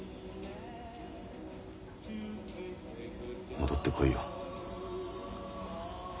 戻ってこいよ。